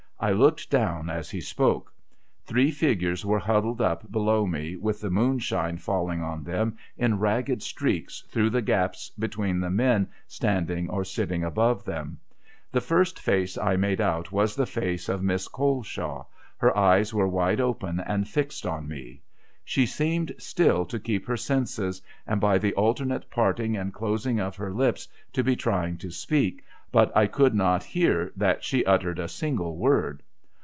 I looked down as he spoke. Three figures were huddled up below me, with the moonshine falling on them in ragged streaks through the gaps between the men standing or sitting above them. The first face I made out was the face of Miss Coleshaw; her eyes were wide open and fixed on me. She seemed still to keep her senses, and, by the alternate parting and closing of her lips, to be trying to speak, but I could not hear that she uttered a single word.